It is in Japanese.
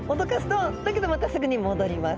だけどまたすぐに戻ります。